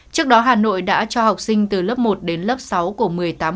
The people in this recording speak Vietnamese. trước đó hà nội đã cho học sinh từ lớp một đến lớp sáu của quận một